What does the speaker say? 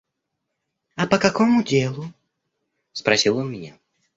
«А по какому делу?» – спросил он меня.